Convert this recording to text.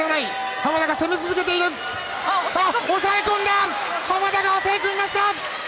濱田が抑え込みました。